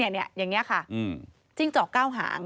อย่างนี้ค่ะจิ้งจอกเก้าหาง